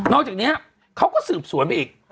อกจากนี้เขาก็สืบสวนไปอีก